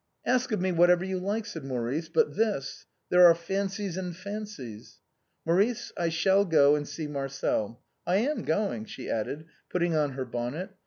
" Ask of me whatever you like," said Maurice, "but this ! There are fancies and fancies." " Maurice, I shall go and see Marcel. I am going," she added, putting on her bonnet.